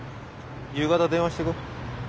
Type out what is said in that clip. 夕方電話してこい。